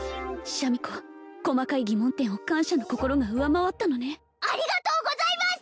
シャミ子細かい疑問点を感謝の心が上回ったのねありがとうございます！